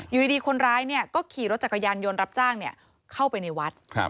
อยู่ดีคนร้ายก็ขี่รถจักรยานยนต์รับจ้างเข้าไปในวัด